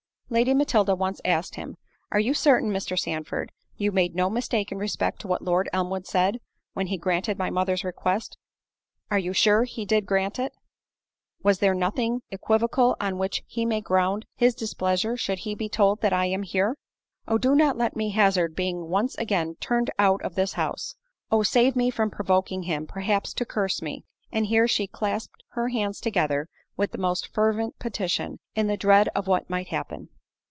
Lady Matilda once asked him—"Are you certain, Mr. Sandford, you made no mistake in respect to what Lord Elmwood said, when he granted my mother's request? Are you sure he did grant it? Was there nothing equivocal on which he may ground his displeasure should he be told that I am here? Oh do not let me hazard being once again turned out of his house! Oh! save me from provoking him perhaps to curse me." And here she clasped her hands together with the most fervent petition, in the dread of what might happen.